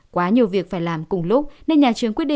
quá nhiều việc phải làm cùng lúc nên nhà trường quyết định